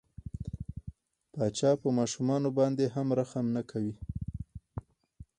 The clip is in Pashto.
پاچا په ماشومان باندې هم رحم نه کوي.